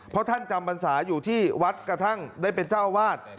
เพราะท่านจำบรรษาอยู่ที่วัดกระทั่งได้เป็นเจ้าอาวาส